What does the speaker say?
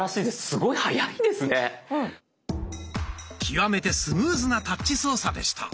極めてスムーズなタッチ操作でした。